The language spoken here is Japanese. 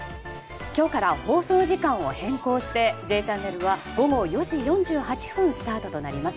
今日から放送時間を変更して「Ｊチャンネル」は午後４時４８分スタートとなります。